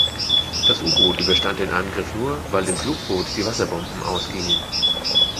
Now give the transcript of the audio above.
Das U-Boot überstand den Angriff nur, weil dem Flugboot die Wasserbomben ausgingen.